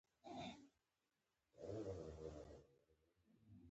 جانداد د خبرو خوږ رنګ لري.